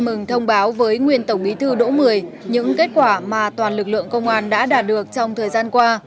bộ trưởng tô lâm đã thông báo với nguyên tổng bí thư đỗ mười những kết quả mà toàn lực lượng công an đã đạt được trong thời gian qua